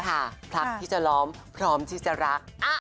รักที่จะล้อมพร้อมที่จะรัก